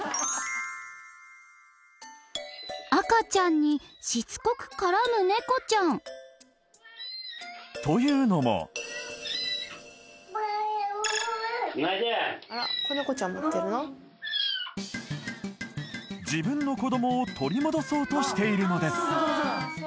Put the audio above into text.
赤ちゃんにしつこく絡むネコちゃんというのも自分の子どもを取り戻そうとしているのです